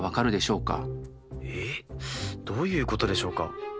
えっ？どういうことでしょうか？